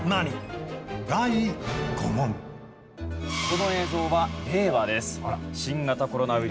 この映像は令和です。